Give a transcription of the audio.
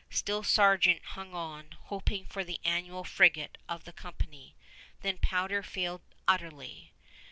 Still Sargeant hung on, hoping for the annual frigate of the company. Then powder failed utterly.